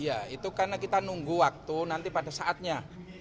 iya itu karena kita nunggu waktu nanti pada saatnya